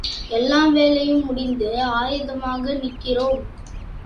எல்லா வேலையும் முடிந்து ஆயத்தமாக நிற்கிறோம்.